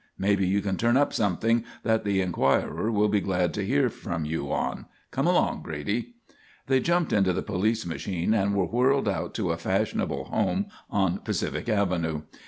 Maybe you can turn up something that the Enquirer will be glad to hear from you on. Come along, Brady." They jumped into the police machine and were whirled out to a fashionable home on Pacific Avenue.